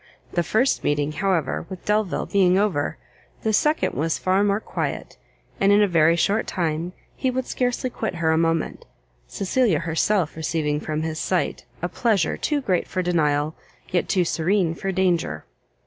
The first meeting, however, with Delvile being over, the second was far more quiet, and in a very short time, he would scarcely quit her a moment, Cecilia herself receiving from his sight a pleasure too great for denial, yet too serene for danger.